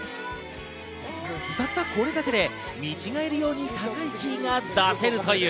たったこれだけで見違えるように高いキーが出せるという。